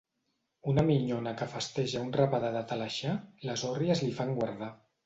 Una minyona que festeja un rabadà de Talaixà: les òrries li fan guardar.